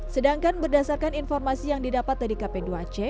sedangkan berdasarkan informasi yang didapat dari kp dua c